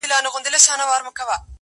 ما لیدلې د وزیرو په مورچو کي-